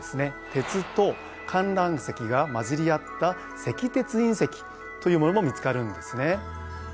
鉄とかんらん石が混じり合った「石鉄いん石」というものも見つかるんですね。